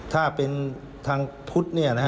ถ้าเป็นทางพุทธเนี่ยนะครับ